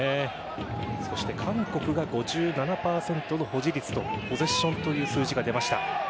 そして韓国が５７％の保持率とポゼッションという数字が出ました。